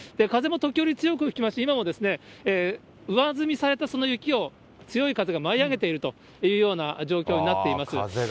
風も時折、強く吹きますし、今も上積みされたその雪を強い風が舞い上げているというような状況になっています。